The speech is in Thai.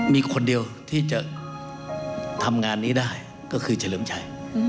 มีคนเดียวที่จะทำงานนี้ได้ก็คือเฉลิมชัย